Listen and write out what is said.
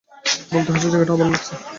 বলতেই হচ্ছে জায়গাটা ভালো লাগছে।